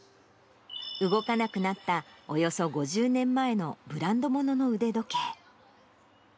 動かなくなったおよそ５０年前のブランド物の腕時計。